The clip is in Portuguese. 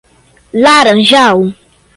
Laranjal